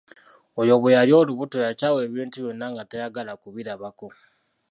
Oyo bwe yali olubuto yakyawa ebintu byonna nga tayagala kubirabako.